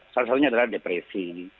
salah satunya adalah depresi